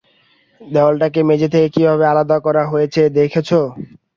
দেয়ালটাকে মেঝে থেকে কীভাবে আলাদা রাখা হয়েছে দেখেছো?